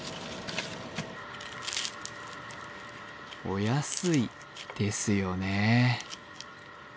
お安いですよね。